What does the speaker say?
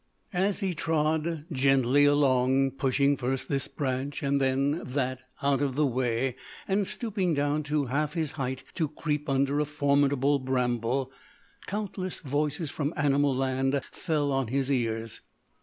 As he trod gently along, pushing first this branch and then that out of the way, and stooping down to half his height to creep under a formidable bramble, countless voices from animal land fell on his ears.